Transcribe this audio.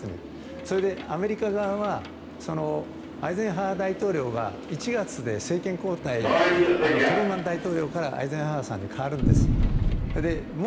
それで、アメリカ側はアイゼンハワー大統領が１月で政権交代トルーマン大統領からアイゼンハワーさんに代わるんです。